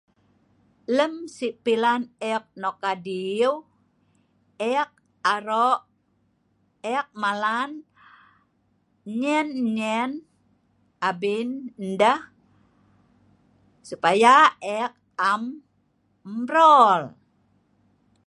Lem sii pilan ek nok adiuew, ek arok, ek malan, nyen nyen abin deh, supaya ek am mbrol...